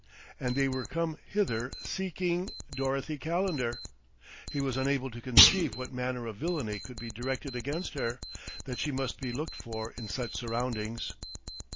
And they were come hither seeking Dorothy Calendar! He was unable to conceive what manner of villainy could be directed against her, that she must be looked for in such surroundings.